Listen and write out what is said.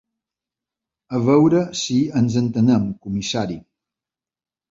A veure si ens entenem, comissari.